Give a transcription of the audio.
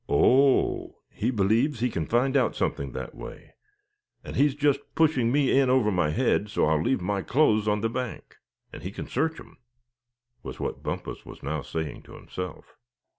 "Oh! he believes he can find out something that way; and he's just pushing me in over my head so I'll leave my clothes on the bank, and he c'n search 'em!" was what Bumpus was now saying to himself.